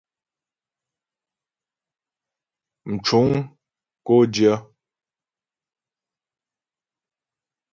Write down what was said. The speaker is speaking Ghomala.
Mcuŋ kó dyə̂.